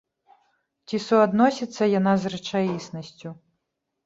Ці суадносіцца яна з рэчаіснасцю?